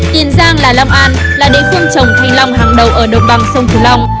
tiền giang là long an là địa phương trồng thanh long hàng đầu ở độc bằng sông thủ long